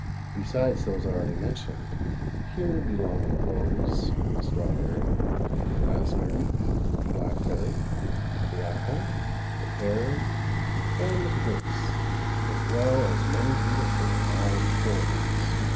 Besides those already mentioned, here belong the rose, the strawberry, the raspberry, the blackberry, the apple, the pear, and the quince, as well as many beautiful wild forms.